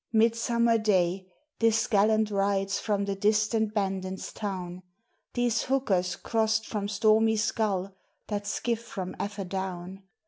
Midsummer day, this gallant rides from the distant Bandon's town, These hookers crossed from stormy Skull, that skiff from Affadown.